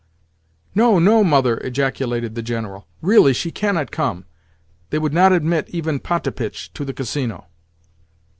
"No, no, mother!" ejaculated the General. "Really she cannot come. They would not admit even Potapitch to the Casino."